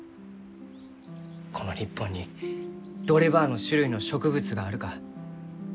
この日本にどればあの種類の植物があるか。